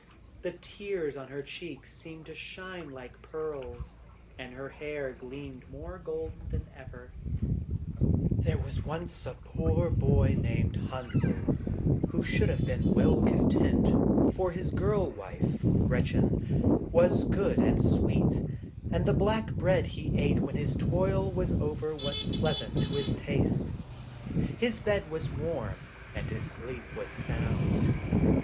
The tears on her cheeks seemed to shine like pearls, and her hair gleamed more golden than ever. The little Karl and the wild woman. "There was once a poor man named Henzel who should have been well content, for his girl wife, Gretchen, was good and sweet, and the black bread he ate when his toil was over was pleasant to his taste. His bed was warm, and his sleep was sound.